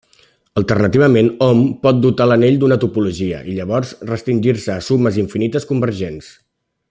Alternativament, hom pot dotar l'anell d'una topologia, i llavors restringir-se a sumes infinites convergents.